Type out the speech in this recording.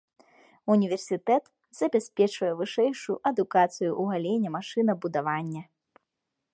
Універсітэт забяспечвае вышэйшую адукацыю ў галіне машынабудавання.